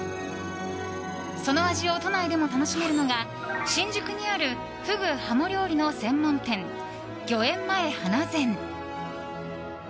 その味を都内でも楽しめるのが新宿にあるフグ、ハモ料理の専門店御苑前花膳。